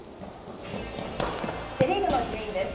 セ・リーグの順位です。